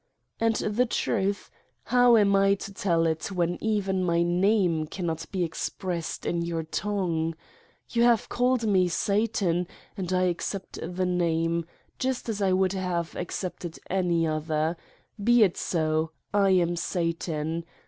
And the truth how am I to tell it when even my Name cannot be expressed in your tongue? You have called me Satan and I accept the name, just as I would have accepted any other : Be it so I am Satan.